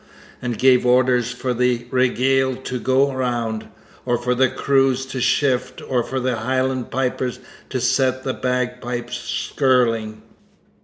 and gave orders for the regale to go round, or for the crews to shift, or for the Highland piper to set the bagpipes skirling.